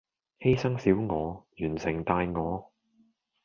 犧牲小我，完成大我